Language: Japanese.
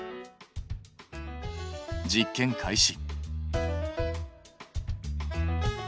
実験開始。